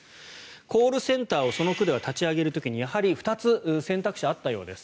コールセンターをその区では立ち上げる時にやはり２つ選択肢があったようです。